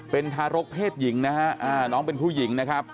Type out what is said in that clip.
เป็นทารกเพศหญิงนะฮะน้องเป็นผู้หญิงนะครับ